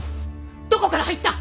どこから入った！